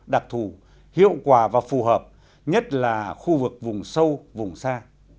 đặc thù hiệu quả và phù hợp nhất là khu vực vùng sâu vùng xa